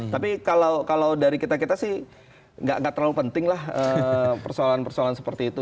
tapi kalau dari kita kita sih tidak terlalu pentinglah persoalan persoalan seperti itu